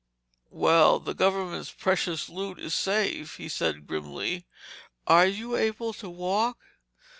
"Well, the government's precious loot is safe," he said grimly. "Are you able to walk?"